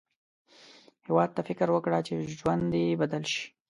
هیواد ته فکر وکړه، چې ژوند دې بدل شي